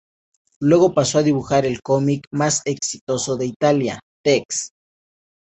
Luego pasó a dibujar el cómic más exitoso de Italia: "Tex".